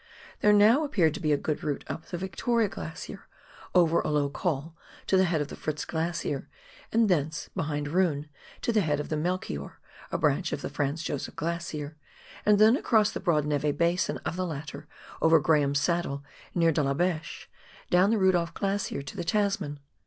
There now appeared to be a good route up the Victoria Glacier, over a low " col " to the head of the Fritz Glacier, and thence behind E,oon to the head of the Melchior, a branch of the Franz Josef Glacier, and then across the broad neve basin of the latter over Graham's Saddle near De la Beche, down the Rudolph Glacier to the Tasman.